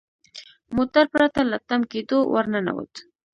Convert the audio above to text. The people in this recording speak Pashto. موټر پرته له تم کیدو ور ننوت.